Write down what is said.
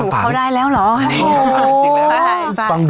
เขาเอาเลย